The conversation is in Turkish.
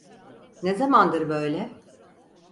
Ne zamandır böyle?